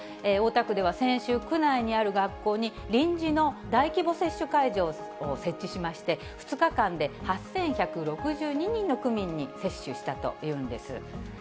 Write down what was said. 大田区では先週、区内にある学校に臨時の大規模接種会場を設置しまして、２日間で８１６２人の区民に接種したというんです。